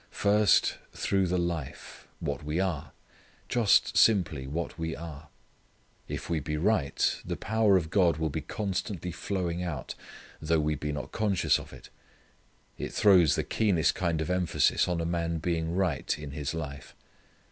First: through the life, what we are. Just simply what we are. If we be right the power of God will be constantly flowing out, though we be not conscious of it. It throws the keenest kind of emphasis on a man being right in his life.